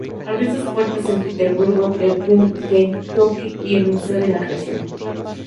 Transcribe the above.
Abrió sus puertas en Petersburg, Kentucky, el Museo de la Creación.